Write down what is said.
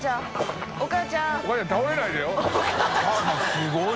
すごいね。